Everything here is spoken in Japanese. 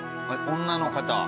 女の方。